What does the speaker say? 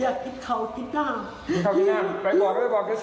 อยากกินเขากินน้ำ